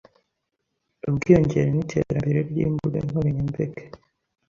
Ubwiyongere n'iterembere ry'imbuge nkorenyembege